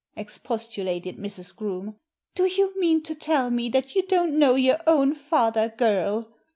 expostulated Mrs. Groome. "Do you mean to tell me that you don't know your own father, girl